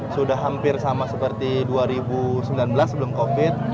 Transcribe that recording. sudah hampir sama seperti dua ribu sembilan belas sebelum covid